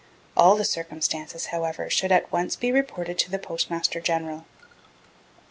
All the circumstances, however, should be at once reported to the Postmaster General. 32.